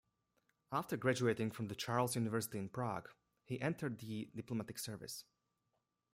After graduating from the Charles University in Prague, he entered the diplomatic service.